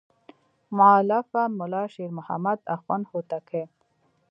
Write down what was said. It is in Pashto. مؤلفه ملا شیر محمد اخوند هوتکی.